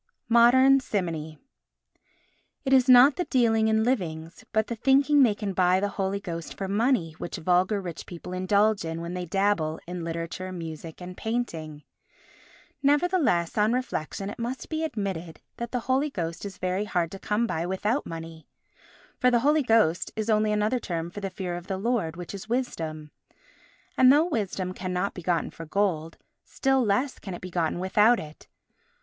Modern Simony It is not the dealing in livings but the thinking they can buy the Holy Ghost for money which vulgar rich people indulge in when they dabble in literature, music and painting. Nevertheless, on reflection it must be admitted that the Holy Ghost is very hard to come by without money. For the Holy Ghost is only another term for the Fear of the Lord, which is Wisdom. And though Wisdom cannot be gotten for gold, still less can it be gotten without it.